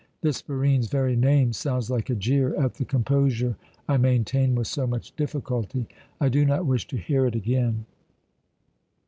This Barine's very name sounds like a jeer at the composure I maintain with so much difficulty. I do not wish to hear it again."